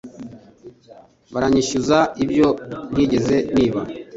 baranyishyuza ibyo ntigeze niba